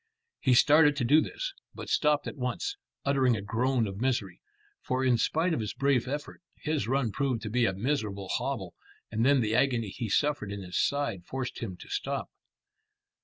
He started to do this, but stopped at once, uttering a groan of misery, for in spite of his brave effort, his run proved to be a miserable hobble, and then the agony he suffered in his side forced him to stop.